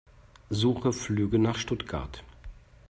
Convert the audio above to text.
Suche Flüge nach Stuttgart.